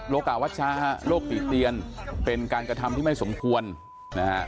กะวัชชาฮะโรคติเตียนเป็นการกระทำที่ไม่สมควรนะฮะ